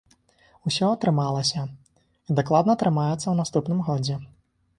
Усё атрымалася, і дакладна атрымаецца ў наступным годзе.